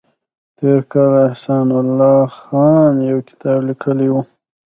تېر کال احسان الله خان یو کتاب لیکلی و